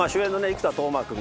生田斗真君